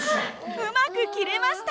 うまく切れました。